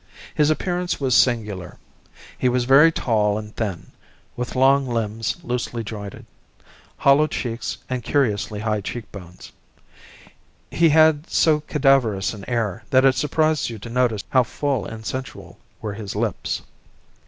His appearance was singular. He was very tall and thin, with long limbs loosely jointed; hollow cheeks and curiously high cheek bones; he had so cadaverous an air that it surprised you to notice how full and sensual were his lips.